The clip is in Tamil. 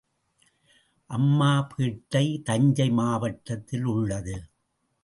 அம்மாப்பேட்டை தஞ்சை மாவட்டத்தில் உள்ளது.